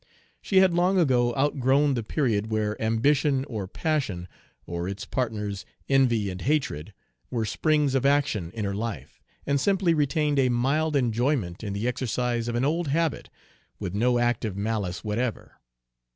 She had long ago outgrown the period where ambition or passion, or its partners, envy and hatred, were springs of action in her life, and simply retained a mild enjoyment in the exercise of an old habit, with no active malice whatever.